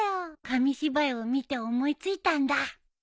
紙芝居を見て思いついたんだ。